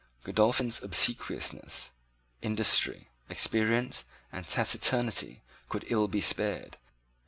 Godolphin's obsequiousness, industry, experience and taciturnity, could ill be spared.